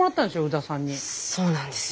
そうなんですよ